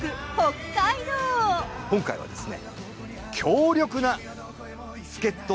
今回はですね。